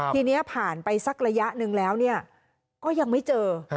ทีนี้ผ่านไปสักระยะหนึ่งแล้วก็ยังไม่เจอ